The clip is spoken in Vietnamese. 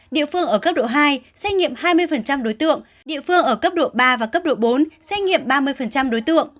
địa phương ở cấp độ hai xét nghiệm hai mươi đối tượng địa phương ở cấp độ ba và cấp độ bốn xét nghiệm ba mươi đối tượng